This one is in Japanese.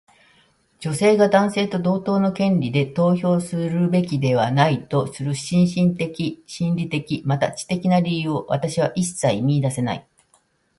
女性が男性と同等の権利で投票するべきではないとする身体的、心理的、または知的な理由を私は一切見いだせない。